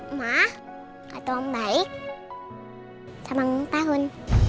emah kata om baik selamat ulang tahun